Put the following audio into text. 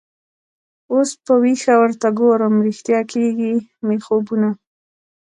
اوس په ویښه ورته ګورم ریشتیا کیږي مي خوبونه